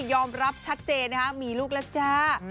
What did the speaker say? ยอมรับชัดเจนมีลูกละจ้า